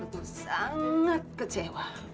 aku sangat kecewa